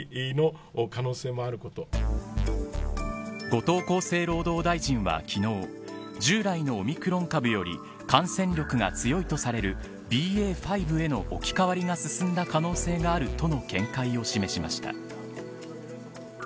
後藤厚生労働大臣は昨日従来のオミクロン株より感染力が強いとされるＢＡ．５への置き換わりが進んだ可能性があるとの見解を示しました。